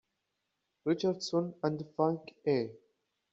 Richardson and Frank A.